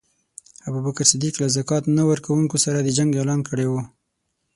ابوبکر صدیق له ذکات نه ورکونکو سره د جنګ اعلان کړی وو.